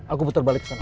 aku puter balik kesana